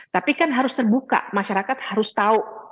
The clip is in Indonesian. tapi kan harus terbuka masyarakat harus tahu